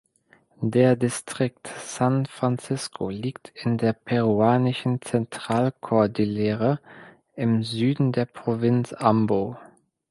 Der Distrikt San Francisco liegt in der peruanischen Zentralkordillere im Süden der Provinz Ambo.